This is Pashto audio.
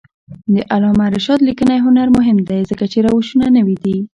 د علامه رشاد لیکنی هنر مهم دی ځکه چې روشونه نوي دي.